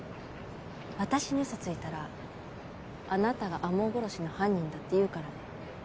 私に嘘ついたらあなたが天羽殺しの犯人だって言うからね。